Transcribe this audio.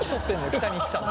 北西さんと！